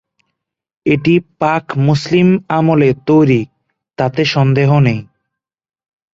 এটি প্রাক মুসলিম আমলে তৈরি তাতে সন্দেহ নেই।